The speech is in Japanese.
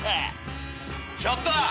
ちょっと！